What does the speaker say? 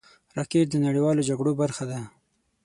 راکټ د نړیوالو جګړو برخه ده